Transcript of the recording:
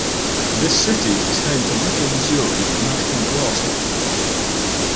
This city is home to Little Missouri National Grassland.